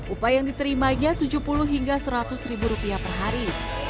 upah yang diterimanya tujuh puluh hingga seratus ribu rupiah per hari